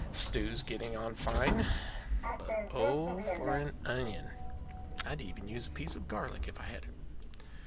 The stew's getting on fine but oh, for an onion! I'd even use a piece of garlic if I had it."